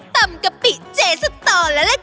ตำกะปิเจย์สตและละค้า